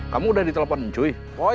kamu udah ditelepon cuy